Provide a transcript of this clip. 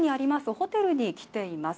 ホテルに来ています。